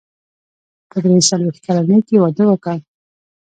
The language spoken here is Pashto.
په درې څلوېښت کلنۍ کې يې واده وکړ.